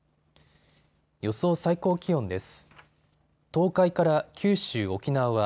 予想最高気温です。